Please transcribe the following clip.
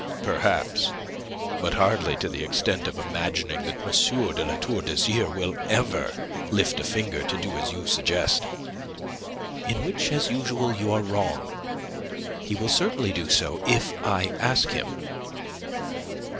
"Perhaps. But hardly to the extent of imagining that M. de La Tour d'Azyr will ever lift a finger to do as you suggest." "In which, as usual, you are wrong. He will certainly do so if I ask him."